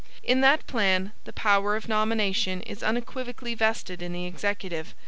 In that plan the power of nomination is unequivocally vested in the Executive.